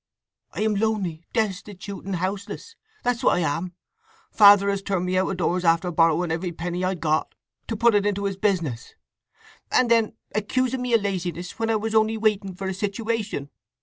"I am lonely, destitute, and houseless—that's what I am! Father has turned me out of doors after borrowing every penny I'd got, to put it into his business, and then accusing me of laziness when I was only waiting for a situation.